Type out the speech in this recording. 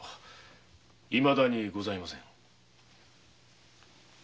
いまだにございません。